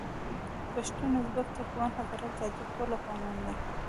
پښتون، ازبک، ترکمن، هزاره او تاجک ټول افغانان دي.